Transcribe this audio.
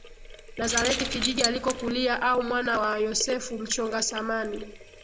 Nazareti kijiji alikokulia au mwana wa Yosefu mchonga samani